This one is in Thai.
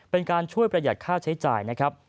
เป็นการช่วยประหยัดค่าใช้จ่ายนะครับ